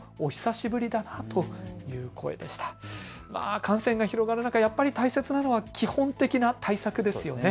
感染が広がる中、やっぱり大切なのは基本的な対策ですよね。